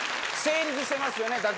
成立してますよね。